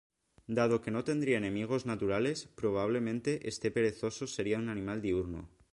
Dado que no tendría enemigos naturales, probablemente este perezoso sería un animal diurno.